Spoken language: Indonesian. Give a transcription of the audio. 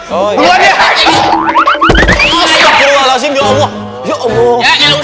harus kontrol kamar anak anak triwan